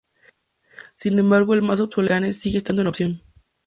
Sin embargo el más obsoleto Hurricane sigue estando en opción.